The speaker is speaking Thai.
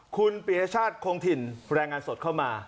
คุณปียชาติคงถิ่นแรงงานสดเข้ามา